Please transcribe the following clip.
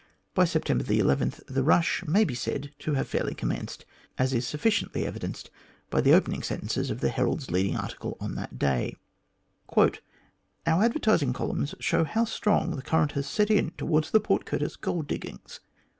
By September 11 the "rush" may be said to have fairly commenced, as is sufficiently evidenced by the opening sentences of the Herald's leading article on that day: " Our advertising columns show how strong the current has set in towards the Port Curtis gold diggings.